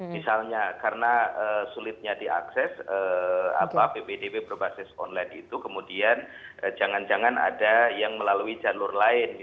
misalnya karena sulitnya diakses ppdb berbasis online itu kemudian jangan jangan ada yang melalui jalur lain